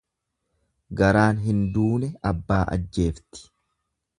Garaan hin duune abbaa ajjeefti.